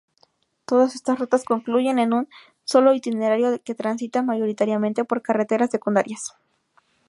Todas estas rutas concluyen en un solo itinerario que transita, mayoritariamente, por carreteras secundarias.